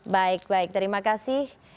baik baik terima kasih